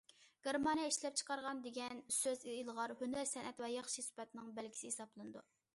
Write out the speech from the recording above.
« گېرمانىيە ئىشلەپچىقارغان» دېگەن سۆز ئىلغار ھۈنەر- سەنئەت ۋە ياخشى سۈپەتنىڭ بەلگىسى ھېسابلىنىدۇ.